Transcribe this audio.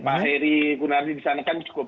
pak hairy kunardi di sana pak syakir jadi